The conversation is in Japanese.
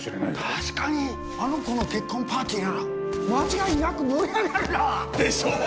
確かにあの子の結婚パーティーなら間違いなく盛り上がるな！でしょう？